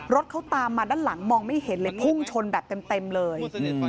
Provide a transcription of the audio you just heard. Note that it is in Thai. รถเขาตามมาด้านหลังมองไม่เห็นเลยพุ่งชนแบบเต็มเลย